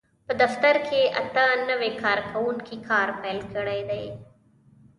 په دفتر کې اته نوي کارکوونکي کار پېل کړی دی.